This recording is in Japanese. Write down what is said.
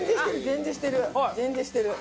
全然してる。